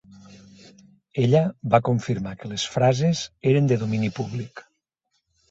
Ella va confirmar que les frases eren de domini públic.